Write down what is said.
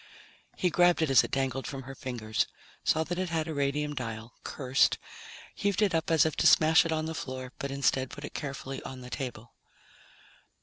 He grabbed it as it dangled from her fingers, saw that it had a radium dial, cursed, heaved it up as if to smash it on the floor, but instead put it carefully on the table.